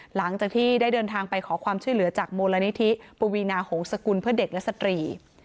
หลังจากที่ได้เดินทางไปขอความช่วยเหลือจากมูลนิธิปวีนาหงษกุลเพื่อเด็กและสตรี